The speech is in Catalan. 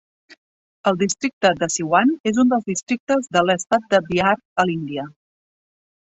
El districte de Siwan és un dels districtes de l'estat de Bihar, a l'Índia.